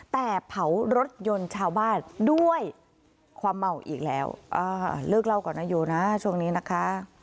แต่เผารถยนต์ชาวบ้านด้วยความเมาอีกแล้วเลิกเล่าก่อนนะโยนะช่วงนี้นะคะ